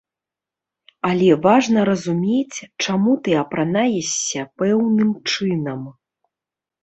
Але важна разумець, чаму ты апранаешся пэўным чынам.